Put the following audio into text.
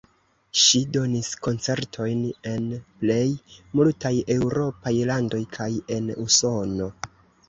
Ŝi donis koncertojn en plej multaj eŭropaj landoj kaj en Usono.